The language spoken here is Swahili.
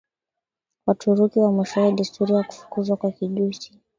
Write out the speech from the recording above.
za Waturuki na mwishowe desturi ya kufukuzwa kwa kijusi